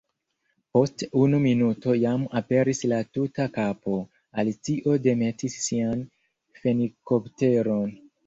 Post unu minuto jam aperis la tuta kapo. Alicio demetis sian fenikopteron.